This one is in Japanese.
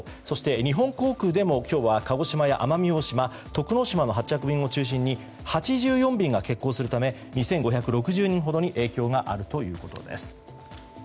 日本航空でも鹿児島や徳之島の発着便を中心に８４便が欠航するため２５６０人ほどに影響があるということです。